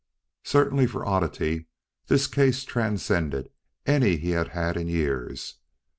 Certainly for oddity this case transcended any he had had in years.